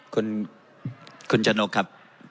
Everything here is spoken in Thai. คุณคูณฉนกครับ